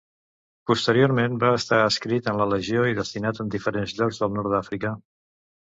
Posteriorment va estar adscrit en la Legió i destinat en diferents llocs del nord d'Àfrica.